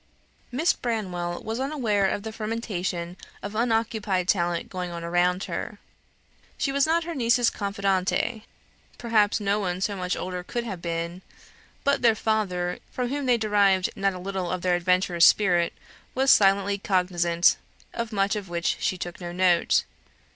Miss Branwell was unaware of the fermentation of unoccupied talent going on around her. She was not her nieces' confidante perhaps no one so much older could have been; but their father, from whom they derived not a little of their adventurous spirit, was silently cognisant of much of which she took no note.